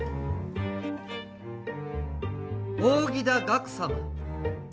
「扇田岳様」